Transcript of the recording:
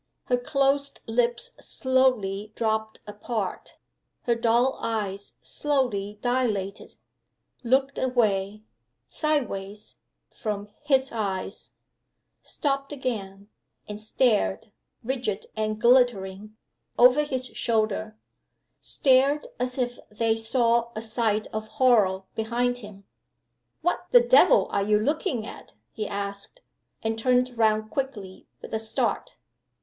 Her closed lips slowly dropped apart. Her dull eyes slowly dilated; looked away, sideways, from his eyes; stopped again; and stared, rigid and glittering, over his shoulder stared as if they saw a sight of horror behind him. "What the devil are you looking at?" he asked and turned round quickly, with a start.